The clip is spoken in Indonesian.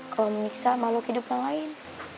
kalau menyiksa makhluk hidup yang lain